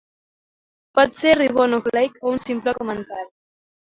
Pot ser ribonucleic o un simple comentari.